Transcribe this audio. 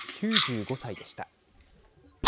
９５歳でした。